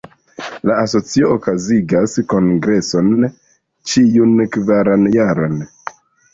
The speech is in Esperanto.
La Asocio okazigas kongreson ĉiun kvaran jaron.